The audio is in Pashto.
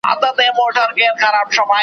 زما په یاد دي څرخېدلي بې حسابه قلمونه .